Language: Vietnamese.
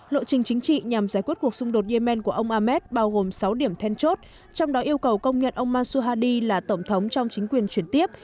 lộ trình chính trị nhằm giải quyết cuộc xung đột yemen của ông ahmed bao gồm sáu điểm then chốt trong đó yêu cầu công nhận ông masuhadi là tổng thống trong chính quyền chuyển tiếp